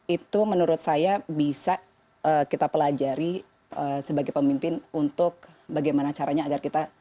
itu menurut saya bisa kita pelajari sebagai pemimpin untuk bagaimana caranya agar kita